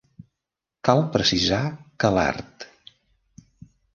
Cal precisar que l'art.